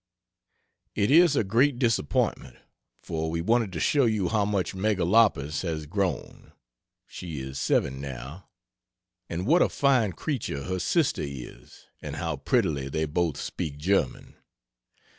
It is a great disappointment, for we wanted to show you how much "Megalopis" has grown (she is 7 now) and what a fine creature her sister is, and how prettily they both speak German.